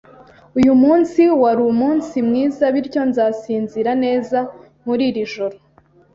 Uyu munsi wari umunsi mwiza, bityo nzasinzira neza muri iri joro